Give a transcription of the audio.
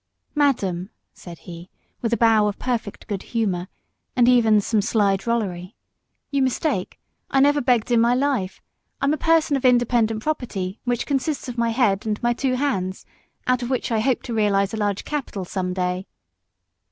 "Madam," said he, with a bow of perfect good humour, and even some sly drollery, "you mistake: I never begged in my life: I'm a person of independent property, which consists of my head and my two hands, out of which I hope to realise a large capital some day."